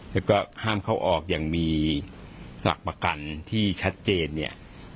แล้วก็ห้ามเข้าออกอย่างมีหลักประกันที่ชัดเจนเนี่ย